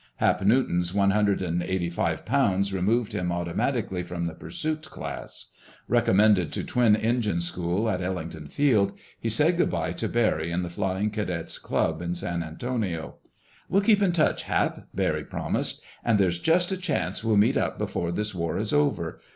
Hap Newton's one hundred and eighty five pounds removed him automatically from the pursuit class. Recommended to twin engine school at Ellington Field, he said good by to Barry in the Flying Cadets' Club in San Antonio. "We'll keep in touch, Hap," Barry promised. "And there's just a chance we'll meet up before this war is over.